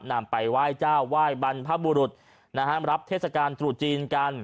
นำไปไหว้เจ้าไหว้บรรพบุรุษรับเทศกาลตรุษจีนกัน